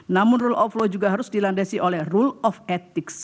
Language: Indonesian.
namun rule of law juga harus dilandasi oleh rule of ethics